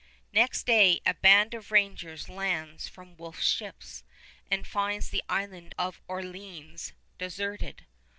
Next day a band of rangers lands from Wolfe's ships and finds the Island of Orleans deserted.